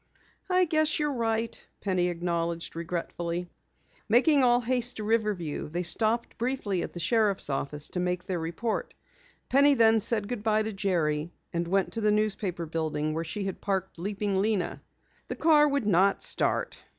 "I guess you're right," Penny acknowledged regretfully. Making all haste to Riverview, they stopped briefly at the sheriff's office to make their report. Penny then said goodbye to Jerry and went to the newspaper building where she had parked Leaping Lena. The car would not start.